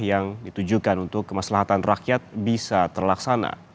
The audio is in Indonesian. yang ditujukan untuk kemaslahatan rakyat bisa terlaksana